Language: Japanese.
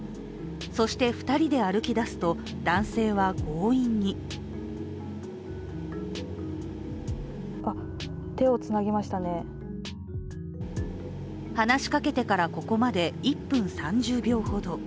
そして２人で歩きだすと、男性は強引に話しかけてからここまで１分３０秒ほど。